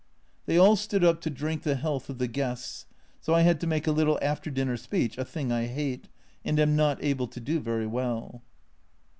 They all stood up to drink the health of the guests, so I had to make a little after dinner speech, a thing I hate, and am not able to do very well.